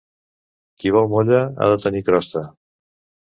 Qui vol molla ha de tenir crosta.